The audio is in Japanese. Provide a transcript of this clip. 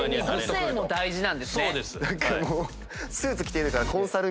個性も大事なんですね。